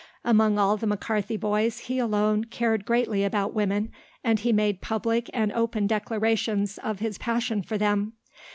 Among all the McCarthy boys he alone cared greatly about women, and he made public and open declarations of his passion for them.